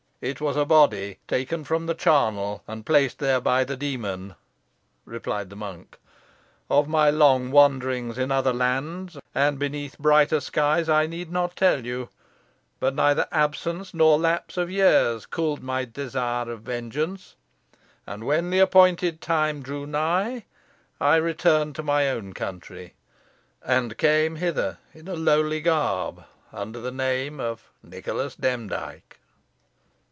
"It was a body taken from the charnel, and placed there by the demon," replied the monk. "Of my long wanderings in other lands and beneath brighter skies I need not tell you; but neither absence nor lapse of years cooled my desire of vengeance, and when the appointed time drew nigh I returned to my own country, and came hither in a lowly garb, under the name of Nicholas Demdike."